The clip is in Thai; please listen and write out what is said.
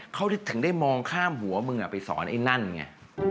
เขาถึงได้มองข้ามหัวมึงไปสอนไอ้นั่นไง